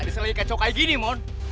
diselain kacau kayak gini mon